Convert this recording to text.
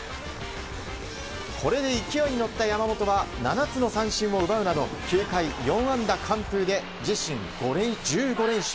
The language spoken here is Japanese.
これで勢いに乗った山本は７つの三振を奪うなど９回４安打完封で自身１５連勝。